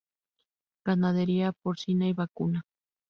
Ganadería porcina y vacuna.